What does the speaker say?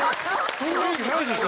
そんなわけないでしょ。